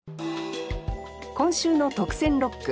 今週の特選六句。